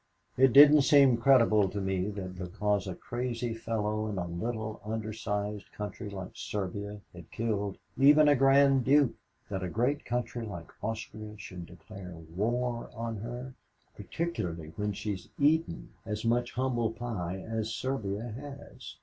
It didn't seem credible to me that because a crazy fellow in a little under sized country like Serbia had killed even a Grand Duke that a great country like Austria should declare war on her, particularly when she's eaten as much humble pie as Serbia has.